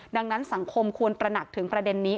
ดังนั้นสังคมควรตระหนักถึงประเด็นนี้